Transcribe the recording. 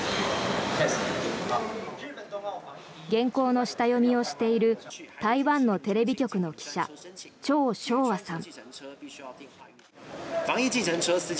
原稿の下読みをしている台湾のテレビ局の記者チョウ・ショウワさん。